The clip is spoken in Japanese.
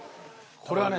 これはね